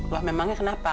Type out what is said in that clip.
wah memangnya kenapa